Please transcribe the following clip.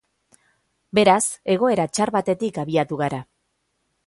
Beraz, egoera txar batetik abiatu gara.